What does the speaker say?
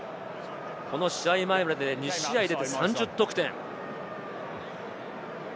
この試合前で２試合出て３０得点。